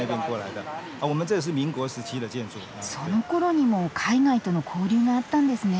そのころにも海外との交流があったんですね。